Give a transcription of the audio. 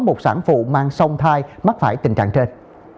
một sản phụ mang sông thai mắc phải tình trạng trên